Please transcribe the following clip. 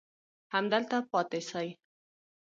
همدلته پاتې سئ.